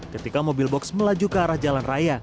ketika mobil box melaju ke arah jalan raya